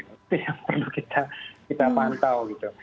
itu yang perlu kita pantau gitu